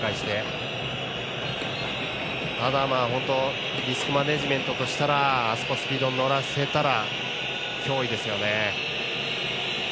ただリスクマネジメントとしたらあそこスピード乗らせたら、脅威ですよね。